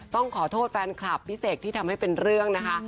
ต้องขอโทษแฟนคลับพี่เสกที่ทำให้เป็นเรื่องนะคะ